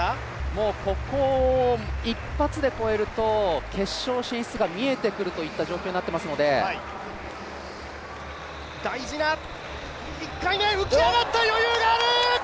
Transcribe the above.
もうここ、一発で越えると決勝進出が見えてくるという状況になってきますので大事な１回目、浮き上がった、余裕がある！